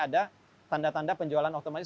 ada tanda tanda penjualan otomatis